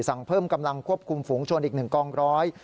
สั่งเพิ่มกำลังควบคุมฝูงชนอีก๑กองร้อย